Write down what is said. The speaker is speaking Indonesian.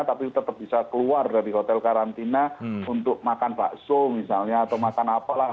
tapi tetap bisa keluar dari hotel karantina untuk makan bakso misalnya atau makan apalah